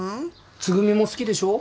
つぐみも好きでしょ？